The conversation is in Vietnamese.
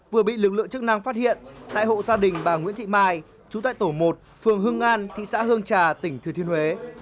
vừa bị lực lượng chức năng phát hiện tại hộ gia đình bà nguyễn thị mai chú tại tổ một phường hương an thị xã hương trà tỉnh thừa thiên huế